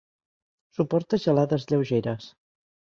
Suporta gelades lleugeres.